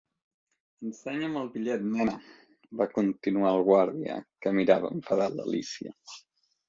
"Ensenya'm el bitllet, nena!", va continuar el guàrdia, que mirava enfadat l'Alícia.